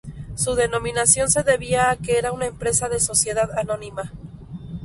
Su denominación se debía a que era una empresa de sociedad anónima.